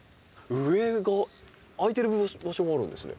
上が開いてる場所があるんですね。